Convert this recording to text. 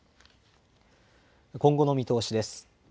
今後の見通しです。